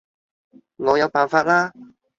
我有辦法啦